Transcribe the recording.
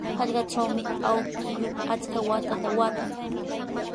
Hallqatrawmi awkilluu achka waakata waatan.